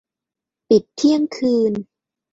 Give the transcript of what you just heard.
ปิดเที่ยงคืน